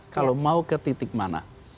kalau mau ke titik mana